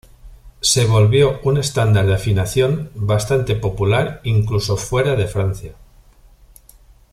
Se volvió un estándar de afinación bastante popular incluso fuera de Francia.